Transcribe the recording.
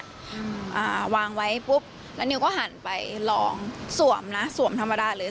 อ่าวางไว้ปุ๊บแล้วนิวก็หันไปลองสวมนะสวมธรรมดาเลย